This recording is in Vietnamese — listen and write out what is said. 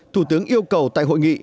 thủ tướng yêu cầu tại hội nghị